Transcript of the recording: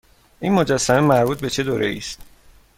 این مجسمه مربوط به چه دوره ای است؟